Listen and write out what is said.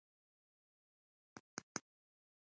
تاسو قرض راکولای شئ؟